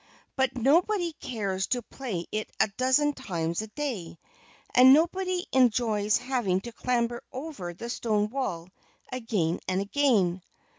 "But nobody cares to play it a dozen times a day. And nobody enjoys having to clamber over the stone wall again and again."